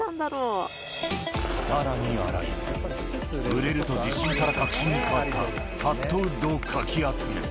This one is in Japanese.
さらに荒井、売れると自信から確信に変わったファットウッドをかき集める。